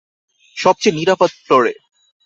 সবচেয়ে নিরাপদ ফ্লোরে।